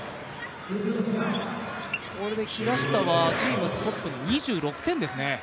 平下はチームトップの２６点ですね。